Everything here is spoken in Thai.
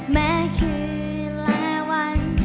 แม่คือและวัน